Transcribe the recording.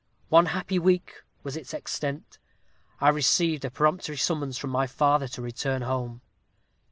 One happy week was its extent. I received a peremptory summons from my father to return home.